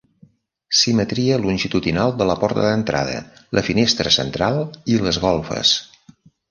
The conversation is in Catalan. Simetria longitudinal de la porta d'entrada, la finestra central i les golfes.